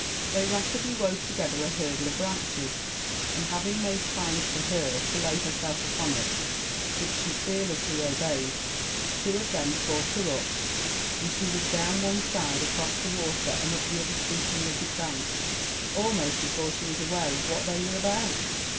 They rapidly wove together a hurdle of branches, and having made signs to her to lay herself upon it, which she fearlessly oheyed, two of them caught her up, and she was down one side, across the water, and up the other steep and rugged bank, almost before she was aware of what they were about.